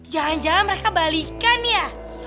jangan jangan mereka balikan ya